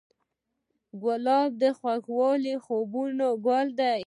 ګلاب د خوږو خوبونو ګل دی.